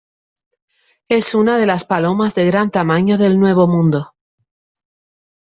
Es una de las palomas de gran tamaño del Nuevo Mundo.